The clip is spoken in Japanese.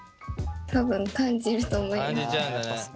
多分感じると思います。